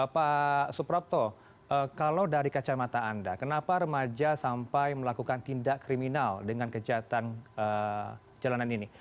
pak suprapto kalau dari kacamata anda kenapa remaja sampai melakukan tindak kriminal dengan kejahatan jalanan ini